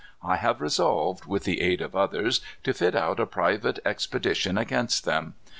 I have resolved, with the aid of others, to fit out a private expedition against them.